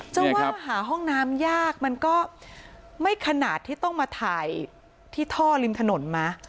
จะว่าหาห้องน้ำยากมันก็ไม่ขนาดที่ต้องมาถ่ายที่ท่อริมถนนมั้ย